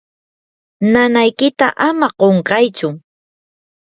nanaykita ama qunqaychu.